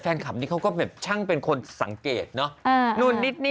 แฟนคลับนี่เขาก็แบบช่างเป็นคนสังเกตเนาะนู่นนิดหน่อยนะ